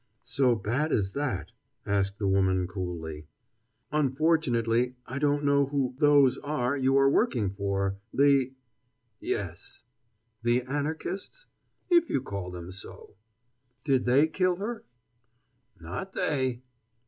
"So bad as that?" asked the woman coolly. "Unfortunately, I don't know who 'those' are you are working for. The ?" "Yes." "The Anarchists?" "If you call them so." "Did they kill her?" "Not they!"